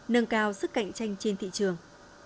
nâng cao sức cạnh tranh trên thị trường